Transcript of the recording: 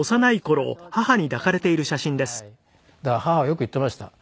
だから母がよく言ってました。